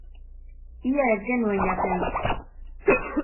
Ia ez genuen jaten.